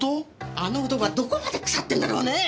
あの男はどこまで腐ってんだろうね！